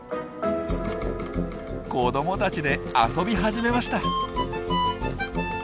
子どもたちで遊び始めました。